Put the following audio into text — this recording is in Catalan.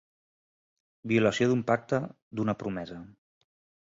Violació d'un pacte, d'una promesa.